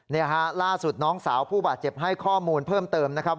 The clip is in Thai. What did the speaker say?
นี่ฮะล่าสุดน้องสาวผู้บาดเจ็บให้ข้อมูลเพิ่มเติมนะครับ